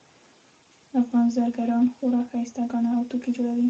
افغان زرګران خورا ښایسته ګاڼه او توکي جوړوي